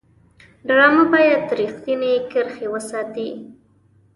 ډرامه باید رښتینې کرښې وساتي